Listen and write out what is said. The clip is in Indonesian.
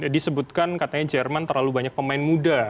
disebutkan katanya jerman terlalu banyak pemain muda